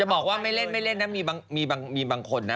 อะไรล่ะเนี่ยผมไม่เกี่ยวนะ